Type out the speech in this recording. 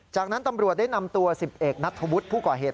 จากนั้นตำรวจได้นำตัว๑๑นัทธวุฒิผู้ก่อเหตุ